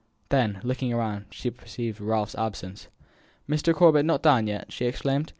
Then, looking round, she perceived Ralph's absence. "Mr. Corbet not down yet!" she exclaimed.